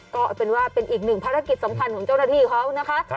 ก็เป็นว่าเป็นอีกหนึ่งภารกิจสำคัญของเจ้าหน้าที่เขานะคะ